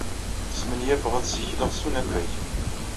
Smenyafeɣ ad ssikleɣ s usafag.